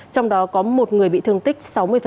trong đó có một người bị thương tích sáu mươi